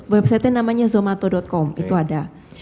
websitenya namanya zomato com itu ada